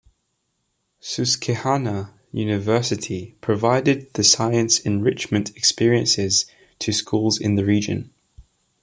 Susquehanna University provided the science enrichment experiences to schools in the region.